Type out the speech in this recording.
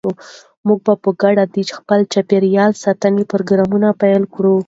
موږ به په ګډه د خپل چاپیریال ساتنې پروګرام پیل کړو.